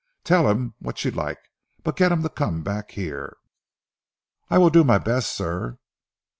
Tell him what you like, but get him to come back here." "I will do my best, sir!"